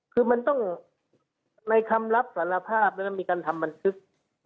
คือมันต้องในคำรับสารภาพมีการทำบันทึก